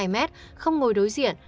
hai mét không ngồi đối diện